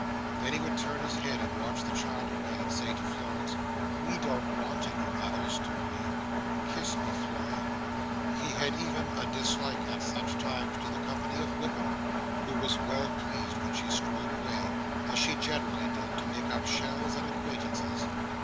Then he would turn his head, and watch the child away, and say to Florence, "We don't want any others, do we? Kiss me, Floy." He had even a dislike, at such times, to the company of Wickam, and was well pleased when she strolled away, as she generally did, to pick up shells and acquaintances.